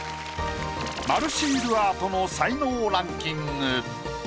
丸シールアートの才能ランキング。